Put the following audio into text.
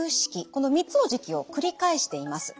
この３つの時期を繰り返しています。